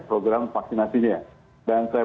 program vaksinasi nya dan saya